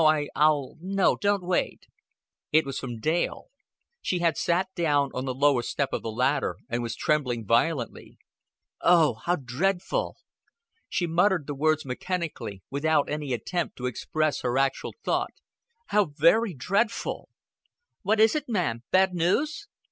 I I'll No, don't wait." It was from Dale. She had sat down on the lowest step of the ladder, and was trembling violently. "Oh, how dreadful!" She muttered the words mechanically, without any attempt to express her actual thought. "How very dreadful!" "What is it, ma'am? Bad news?"